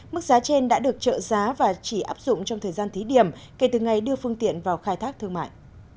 mức giá trên đã được trợ giá và chỉ áp dụng trong thời gian thí điểm kể từ ngày đưa phương tiện vào khai thác thương mại